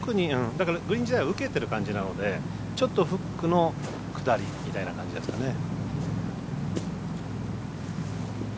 だからグリーン自体は受けてる感じなのでちょっとフックの下りみたいな感じなんですかね。